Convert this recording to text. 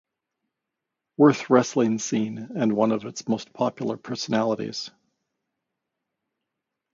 Worth wrestling scene and was one of its most popular personalities.